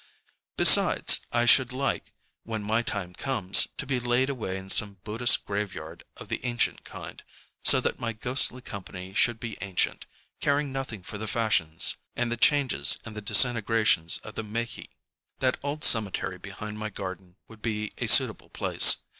Besides, I should like, when my time comes, to be laid away in some Buddhist graveyard of the ancient kind, ŌĆöso that my ghostly company should be ancient, caring nothing for the fashions and the changes and the disintegrations of Meiji (1). That old cemetery behind my garden would be a suitable place.